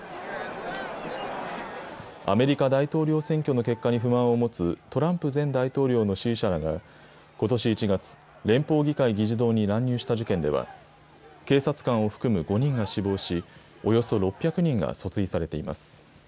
アメリカ大統領選挙の結果に不満を持つトランプ前大統領の支持者らが、ことし１月、連邦議会議事堂に乱入した事件では、警察官を含む５人が死亡し、およそ６００人が訴追されています。